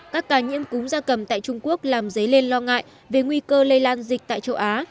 các ca nhiễm cúm gia cầm tại trung quốc làm dấy lên lo ngại về nguy cơ lây lan dịch tại châu á